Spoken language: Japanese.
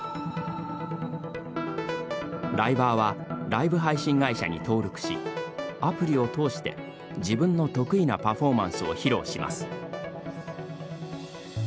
ライバーはライブ配信会社に登録しアプリを通して自分の得意なパフォーマンスを披露します。